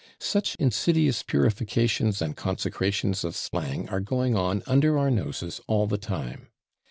Such insidious purifications and consecrations of slang are going on under our noses all the time.